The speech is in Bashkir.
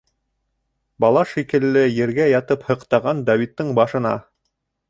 Бала шикелле ергә ятып һыҡтаған Давидтың башына